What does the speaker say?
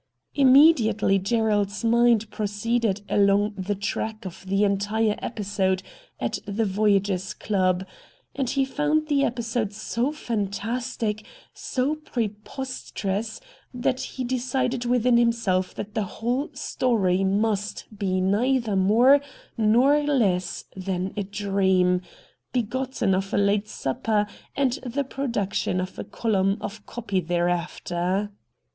Im mediately Gerald's mind proceeded along the track of the entire episode at the Voyagers' Club, and he found the episode so fantastic, so preposterous, that he decided within himself that the whole story must be neither more nor less than a dream, begotten of a late supper and the production of a column of copy there after.